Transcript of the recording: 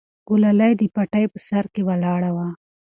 ګلالۍ د پټي په سر کې ولاړه وه.